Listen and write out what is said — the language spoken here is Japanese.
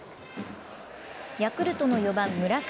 ヤクルトの４番・村上。